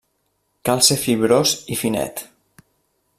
Cal ser fibrós i finet.